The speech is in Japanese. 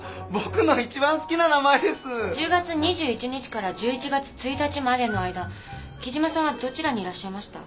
１０月２１日から１１月１日までの間木島さんはどちらにいらっしゃいました？